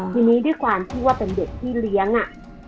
ทีนี้ด้วยความที่ว่าเป็นเด็กที่เลี้ยงอ่ะ